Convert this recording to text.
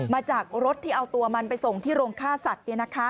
มาจากรถที่เอาตัวมันไปส่งที่โรงฆ่าสัตว์